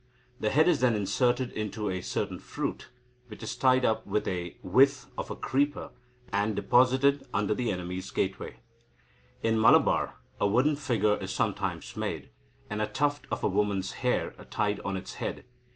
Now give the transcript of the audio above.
The head is then inserted into a certain fruit, which is tied up with a withe of a creeper, and deposited under the enemy's gateway. In Malabar, a wooden figure is sometimes made, and a tuft of a woman's hair tied on its head.